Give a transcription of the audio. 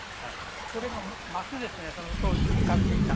これが升ですねその当時使っていた。